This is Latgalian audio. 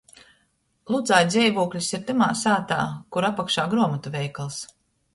Ludzā dzeivūklis ir tamā sātā, kur apakšā gruomotu veikals.